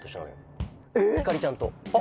ひかりちゃんと。